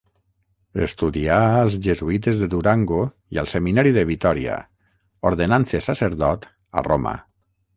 Estudià als Jesuïtes de Durango i al Seminari de Vitòria, ordenant-se sacerdot a Roma.